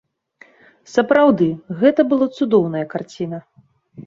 Сапраўды, гэта была цудоўная карціна.